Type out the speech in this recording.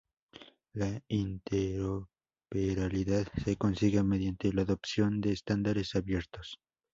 La interoperabilidad se consigue mediante la adopción de estándares abiertos.